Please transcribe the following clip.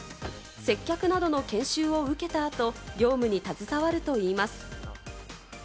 接客などの研修を受けた後、業務に携わるといいます。